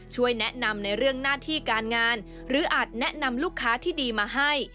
ช่วยแนะนำในเรื่องหน้าที่การงานหรืออาจแนะนำลูกค้าที่ดีมาให้